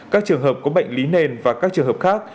các trường hợp có bệnh lý nền và các trường hợp khác